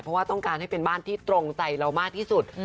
เพราะว่าต้องการให้เป็นบ้านที่ตรงใจเรามากที่สุด